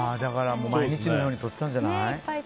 毎日のように撮ってたんじゃないかな。